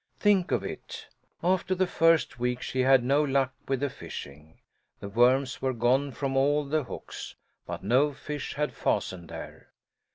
Think of it! After the first week she had no luck with the fishing. The worms were gone from all the hooks, but no fish had fastened there.